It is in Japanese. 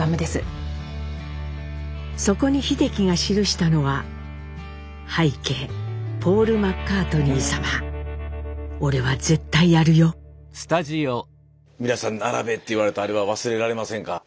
そこに秀樹が記したのは皆さん「並べ！」って言われたあれは忘れられませんか？